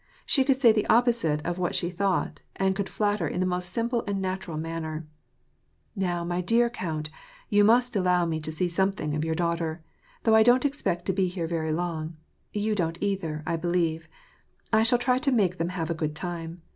She could say the opposite of what she thought, and could flatter in the most simple and natu ral manner. " Now, my dear count, vou must allow me to see something of your daughter. Thougn I don't expect to be here very long, — you don't either, I believe, — I shall try to make them have a good time.